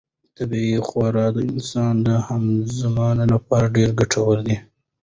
طبیعي خواړه د انسان د هضم لپاره ډېر ګټور دي.